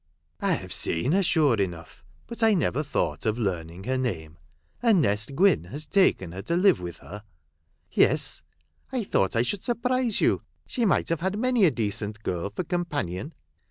" I have seen her sure enough, but I never thought of learning her name. And Nest Gwynn has taken her to live with her." " Yes ! I thought I should surprise you. She might have had many a decent girl for companion.